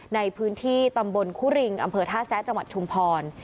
ในพื้นที่ตำบลคุริงอำเภอท่าแซะจังหวัดชุมพร